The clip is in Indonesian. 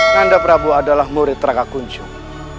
nanda prabu adalah murid raka kunjung